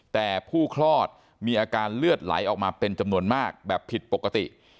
แต่ผู้คลอดมีอาการเลือดไหลออกมาเป็นจำนวนมากแบบผิดปกติ